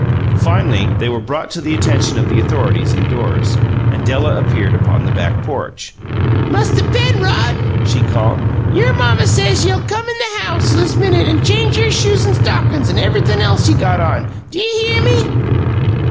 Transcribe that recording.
Finally, they were brought to the attention of the authorities indoors, and Della appeared upon the back porch. "Musther Penrod," she called, "y'r mamma says ye'll c'm in the house this minute an' change y'r shoes an' stockin's an' everythun' else ye got on! D'ye hear me?"